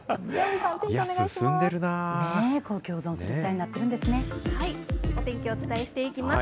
お天気をお伝えしていきます。